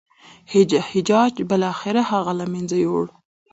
حجاج بالاخره هغه له منځه یووړ.